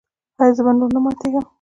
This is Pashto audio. ایا زه به نور نه ماتیږم؟